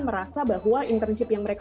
merasa bahwa internship yang mereka